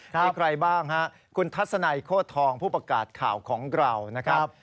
มีใครบ้างฮะคุณทัศนัยโคตรทองผู้ประกาศข่าวของเรานะครับ